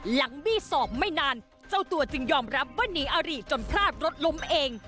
หลังบี้สอบไม่นานเจ้าตัวจึงยอมรับว่าหนีอารีจนพลาดรถล้มเอง